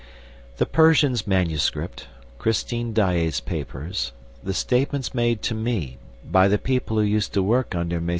The Persian's manuscript, Christine Daae's papers, the statements made to me by the people who used to work under MM.